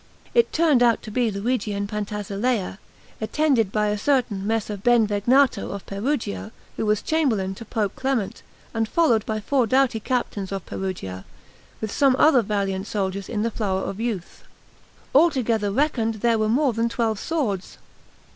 It turned out to be Luigi and Pantasilea, attended by a certain Messer Benvegnato of Perugia, who was chamberlain to Pope Clement, and followed by four doughty captains of Perugia, with some other valiant soldiers in the flower of youth; altogether reckoned, there were more than twelve swords.